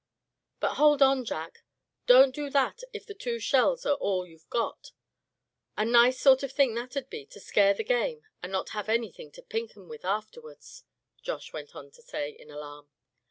"But hold on, Jack, don't do that if the two shells are all you've got. A nice sort of thing that'd be, to scare the game, and not have anything to pink 'em with afterwards," Josh went on to say, in alarm.